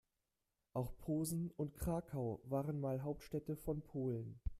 Auch Posen und Krakau waren mal Hauptstädte von Polen.